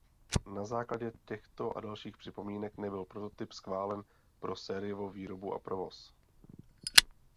Na základě těchto a dalších připomínek nebyl prototyp schválen pro sériovou výrobu a provoz.